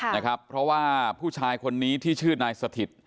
นะครับเพราะว่าผู้ชายคนนี้ที่ชื่อนายสถิต